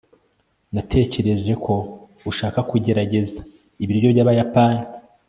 natekereje ko ushaka kugerageza ibiryo byabayapani